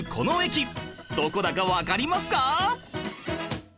どこだかわかりますか？